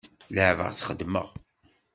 Leɛbeɣ-tt xeddmeɣ.